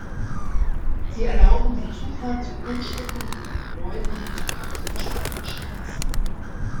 Sie erlauben die Zufahrt zu Grundstücken oder Gebäuden mit Zugang zur gesperrten Straße.